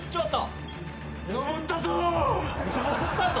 登ったぞ！